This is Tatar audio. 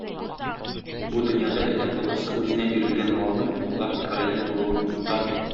Бу дөньяда адәм баласы үзенә бирелгән малның Аллаһы Тәгаләдән булуын оныта.